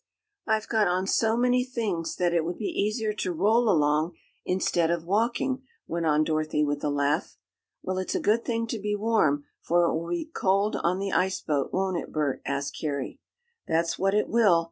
"I've got on so many things that it would be easier to roll along instead of walking," went on Dorothy with a laugh. "Well, it's a good thing to be warm, for it will be cold on the ice boat; won't it, Bert?" asked Harry. "That's what it will.